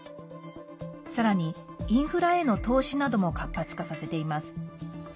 さらに、インフラへの投資なども活発化させています。